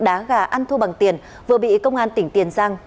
đá gà ăn thua bằng tiền vừa bị công an tỉnh tiền giang